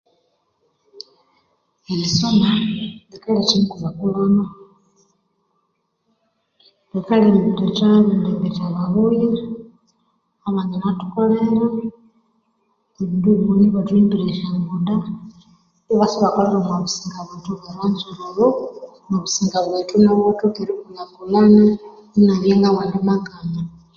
Erisoma likaletha Engulhakulhana,